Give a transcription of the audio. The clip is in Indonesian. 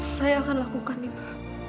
saya akan lakukan itu